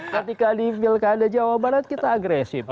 ketika di pilkada jawa barat kita agresif